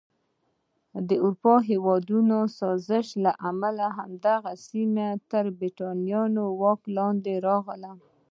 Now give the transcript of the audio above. د اروپایي هېوادونو سازشونو له امله دغه سیمه تر بریتانوي ولکې لاندې راغله.